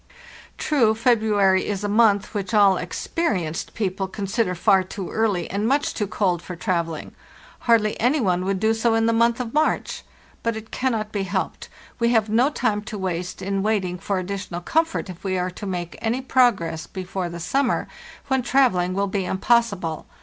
True, February is a month which all 'experienced' peo ple consider far too early and much too cold for trav elling; hardly any one would do so in the month of March. But it cannot be helped; we have no time to waste in waiting for additional comfort if we are to make any progress before the summer, when travelling will be impossible.